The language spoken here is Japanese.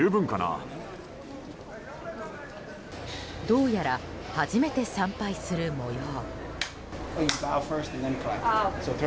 どうやら初めて参拝する模様。